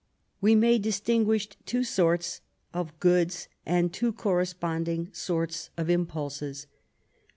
We may distinguish two sorts of goods, and two corresponding sorts of impulses.